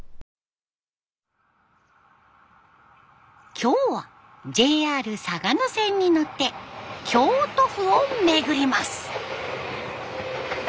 今日はＪＲ嵯峨野線に乗って京都府を巡ります。